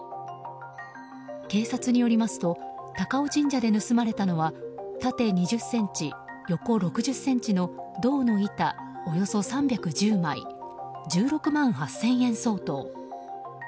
警察によりますとたかお神社で盗まれたのは縦２０ｃｍ、横６０ｃｍの銅の板およそ３１０枚１６万８０００円相当。